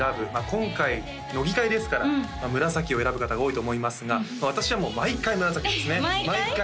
今回乃木回ですから紫を選ぶ方が多いと思いますが私はもう毎回紫ですね毎回？